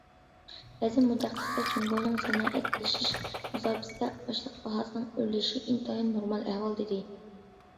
بەزى مۇتەخەسسىسلەر: جۇڭگونىڭ سانائەتلىشىش مۇساپىسىدە ئاشلىق باھاسىنىڭ ئۆرلىشى ئىنتايىن نورمال ئەھۋال، دېدى.